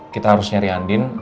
kita harus nyari andin